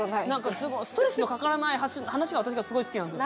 すごいストレスのかからない話が私がすごい好きなんですよ。